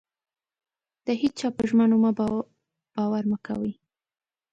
د هيچا په ژمنو مه باور مه کوئ.